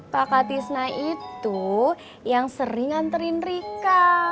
kakak tisna itu yang sering nganterin rika